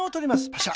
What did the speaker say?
パシャ。